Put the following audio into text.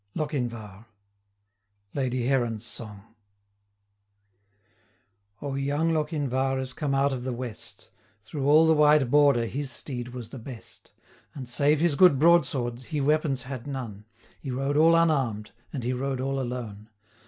LOCHINVAR. Lady Heron's Song O, young Lochinvar is come out of the west, Through all the wide Border his steed was the best; And save his good broadsword, he weapons had none, 315 He rode all unarm'd, and he rode all alone.